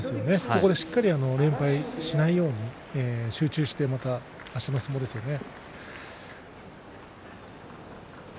そこでしっかり連敗しないように集中してまた、あしたの相撲ですよね。